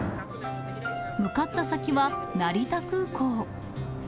向かった先は成田空港。